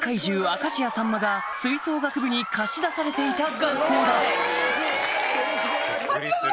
明石家さんまが吹奏楽部に貸し出されていた学校だはじめまして。